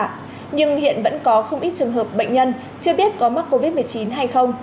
nhưng hiện vẫn có không ít trường hợp bệnh nhân chưa biết có mắc covid một mươi chín hay không